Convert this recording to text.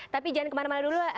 tapi jangan kemana mana dulu